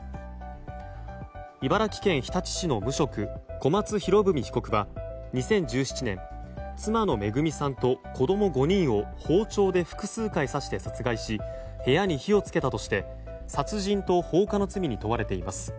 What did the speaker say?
茨城県日立市の無職小松博文被告は２０１７年、妻の恵さんと子供５人を包丁で複数回刺して殺害し部屋に火を付けたとして殺人と放火の罪に問われています。